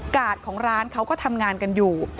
ของร้านเขาก็ทำงานกันอยู่